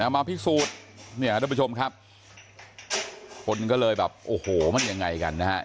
มาพิสูจน์เนี่ยทุกผู้ชมครับคนก็เลยแบบโอ้โหมันยังไงกันนะฮะ